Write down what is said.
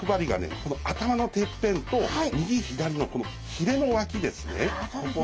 この頭のてっぺんと右左のこのひれの脇ですね。